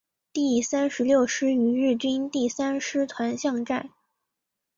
第三十六师与日军第三师团巷战。